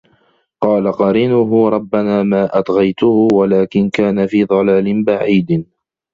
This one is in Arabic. قالَ قَرينُهُ رَبَّنا ما أَطغَيتُهُ وَلكِن كانَ في ضَلالٍ بَعيدٍ